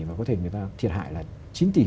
và có thể người ta thiệt hại là chín tỷ